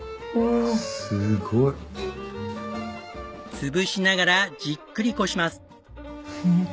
潰しながらじっくりこします。